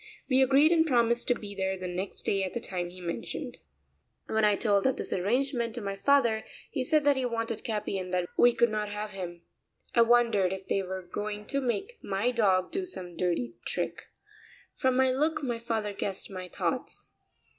We agreed and promised to be there the next day at the time he mentioned. When I told of this arrangement to my father he said that he wanted Capi and that we could not have him. I wondered if they were going to make my dog do some dirty trick. From my look my father guessed my thoughts.